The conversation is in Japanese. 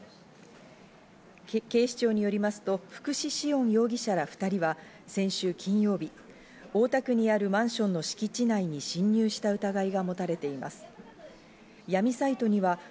警視庁によりますと、福士至恩容疑者ら２人は先週金曜日、大田区にあるマンションの敷地内に侵入した疑いが持たれています。